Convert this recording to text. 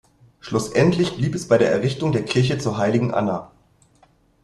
Schlussendlich blieb es bei der Errichtung der Kirche zur heiligen Anna.